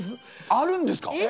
あるんですか！？